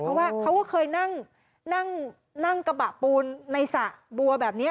เพราะว่าเขาก็เคยนั่งกระบะปูนในสระบัวแบบนี้